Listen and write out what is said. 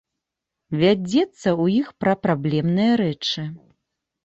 Вядзецца ў іх пра праблемныя рэчы.